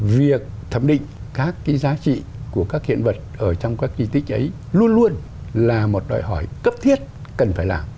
việc thẩm định các cái giá trị của các hiện vật ở trong các di tích ấy luôn luôn là một đòi hỏi cấp thiết cần phải làm